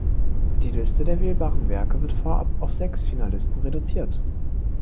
Die Liste der wählbaren Werke wird vorab auf sechs Finalisten reduziert.